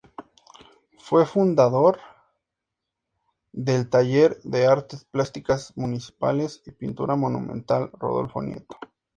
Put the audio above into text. Fue fundador del Taller de Artes Plásticas Municipales y Pintura Monumental Rodolfo Nieto.